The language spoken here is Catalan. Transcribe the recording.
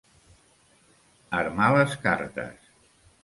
Armar les cartes.